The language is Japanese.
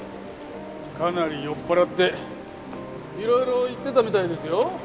かなり酔っ払っていろいろ言ってたみたいですよ。